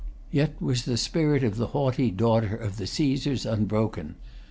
Yet was the spirit of the haughty daughter of the Cæsars unbroken.